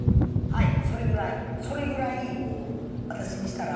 それぐらいそれぐらいもう私にしたら。